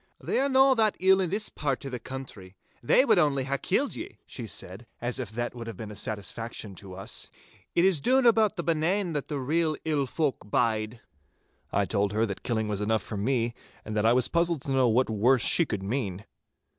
'They are no that ill in this pairt o' the country. They wad only hae killed ye,' she said, as if that would have been a satisfaction to us. 'It is doon aboot the Benane that the real ill folk bide.' I told her that killing was enough for me, and that I was puzzled to know what worse she could mean.